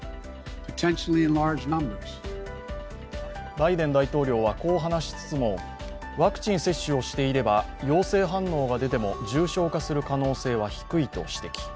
バイデン大統領はこう話しつつもワクチン接種をしていれば陽性反応が出ても重症化する可能性は低いと指摘。